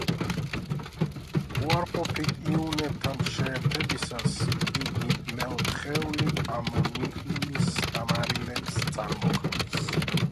უარყოფით იონებთან შეერთებისას იგი მეოთხეული ამონიუმის მარილებს წარმოქმნის.